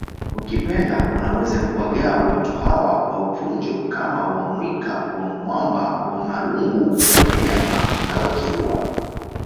Ukipenda unaweza kuwagawa watu hawa wa Vunjo kama WaMwika WaMamba WaMarangu WaKilema na Wakirua